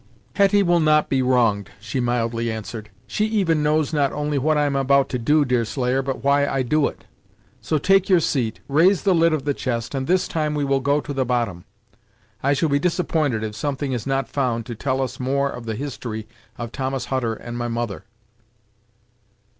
"Hetty will not be wronged," she mildly answered; "she even knows not only what I am about to do, Deerslayer, but why I do it. So take your seat, raise the lid of the chest, and this time we will go to the bottom. I shall be disappointed if something is not found to tell us more of the history of Thomas Hutter and my mother."